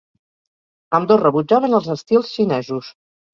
Ambdós rebutjaven els estils xinesos.